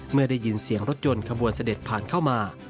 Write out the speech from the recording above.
เมื่อได้ยินเสียงรถยนต์ขบวนเสด็จผ่านเข้ามา